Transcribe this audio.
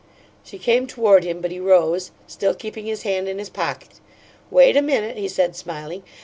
She came toward him, but he rose, still keeping his hand in his pocket. "Wait a minute," he said, smiling.